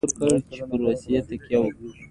عمرا خان یې بندي کړ.